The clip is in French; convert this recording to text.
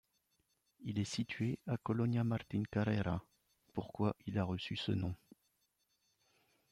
Il est situé à Colonia Martin Carrera, pourquoi il a reçu ce nom.